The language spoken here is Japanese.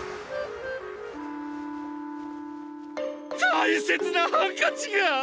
大切なハンカチが！！